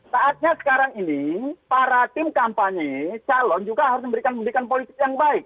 saatnya sekarang ini para tim kampanye calon juga harus memberikan pendidikan politik yang baik